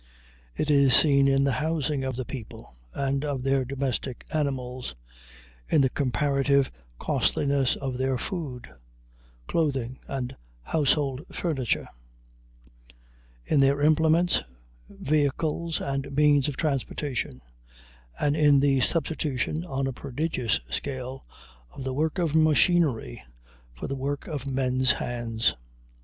It is seen in the housing of the people and of their domestic animals, in the comparative costliness of their food, clothing, and household furniture, in their implements, vehicles, and means of transportation, and in the substitution, on a prodigious scale, of the work of machinery for the work of men's hands.